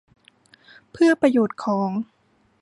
เพื่อประโยชน์ของ